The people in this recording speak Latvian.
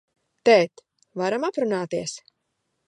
Tēt, varam aprunāties?